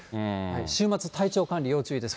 週末、体調管理要注意です。